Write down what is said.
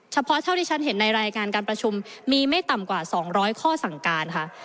เท่าที่ฉันเห็นในรายการการประชุมมีไม่ต่ำกว่า๒๐๐ข้อสั่งการค่ะ